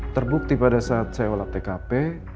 terbukti pada saat saya olah tkp